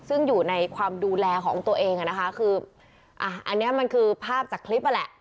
ซึ่งอยู่ในความดูแลของตัวเองอ่ะนะคะคืออ่ะอันนี้มันคือภาพจากคลิปนั่นแหละ